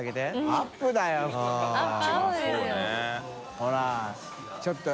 ほらちょっと。